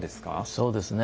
そうですね。